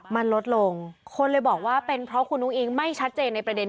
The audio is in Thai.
มันลดลงคนเลยบอกว่าเป็นเพราะคุณอุ้งอิงไม่ชัดเจนในประเด็น